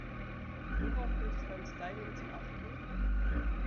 Worauf gilt es beim Styling zu achten?